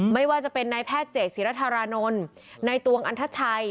ไม่ว่าจะเป็นนายแพทย์เจดศิรธารานนท์ในตวงอันทชัย